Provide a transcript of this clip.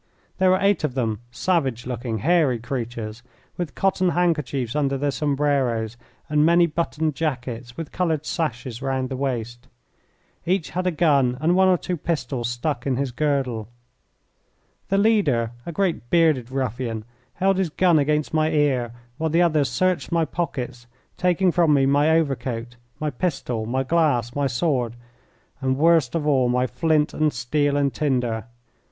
There were eight of them, savage looking, hairy creatures, with cotton handkerchiefs under their sombreros, and many buttoned jackets with coloured sashes round the waist. Each had a gun and one or two pistols stuck in his girdle. The leader, a great, bearded ruffian, held his gun against my ear while the others searched my pockets, taking from me my overcoat, my pistol, my glass, my sword, and, worst of all, my flint and steel and tinder.